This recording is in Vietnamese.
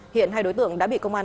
hiện hai đối tượng đã bị công an